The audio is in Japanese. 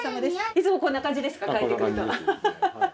いつもこんな感じですか帰ってくると。